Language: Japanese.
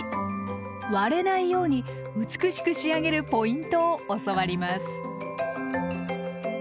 割れないように美しく仕上げるポイントを教わります。